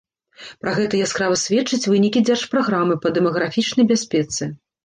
Пра гэта яскрава сведчаць вынікі дзяржпраграмы па дэмаграфічнай бяспецы.